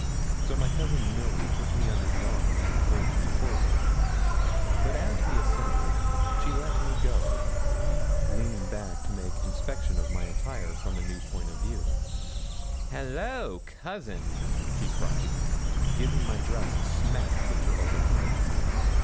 So my Cousin Milly took me under the arm, and pulled me forward; but as we ascended, she let me go, leaning back to make inspection of my attire from a new point of view. 'Hallo, cousin,' she cried, giving my dress a smack with her open hand.